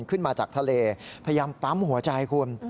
ขึ้นมาจากทะเลพยายามปั๊มหัวใจคุณ